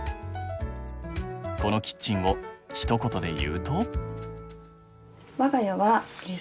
このキッチンをひと言で言うと？